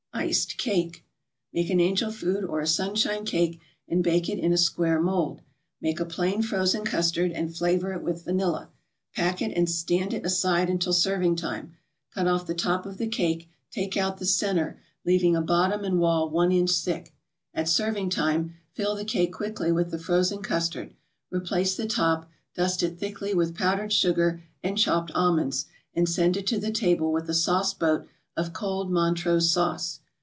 ICED CAKE Make an Angel Food or a Sunshine Cake and bake it in a square mold. Make a plain frozen custard, and flavor it with vanilla; pack it and stand it aside until serving time. Cut off the top of the cake, take out the centre, leaving a bottom and wall one inch thick. At serving time, fill the cake quickly with the frozen custard, replace the top, dust it thickly with powdered sugar and chopped almonds, and send it to the table with a sauceboat of cold Montrose Sauce.